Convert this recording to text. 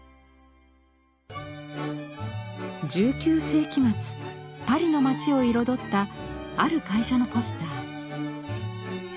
１９世紀末パリの街を彩ったある会社のポスター。